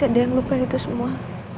apa bisa dia ngelupain itu semua